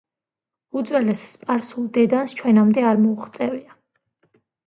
უძველეს სპარსულ დედანს ჩვენამდე არ მოუღწევია.